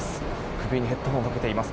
首にヘッドホンをかけています。